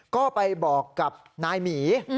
ก็ไปบอกกับนายหมี